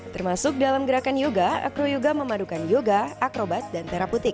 termasuk dalam gerakan yoga acroyoga memadukan yoga akrobat dan teraputik